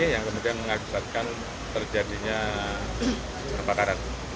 yang kemudian mengakibatkan terjadinya kebakaran